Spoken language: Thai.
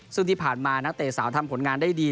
ซึ่งที่ผ่านมานักเตะสาวทำผลงานได้ดี